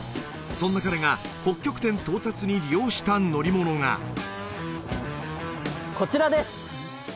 そんな彼が北極点到達に利用した乗り物がこちらです